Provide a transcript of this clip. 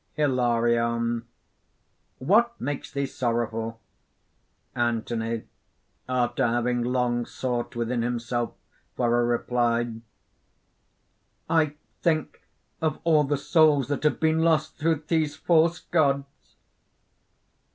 _) HILARION. "What makes thee sorrowful?" ANTHONY (after having long sought within himself for a reply): "I think of all the souls that have been lost through these false gods!"